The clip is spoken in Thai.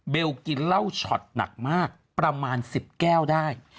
กินเหล้าช็อตหนักมากประมาณ๑๐แก้วได้